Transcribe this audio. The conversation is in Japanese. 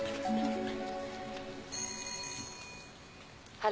はい。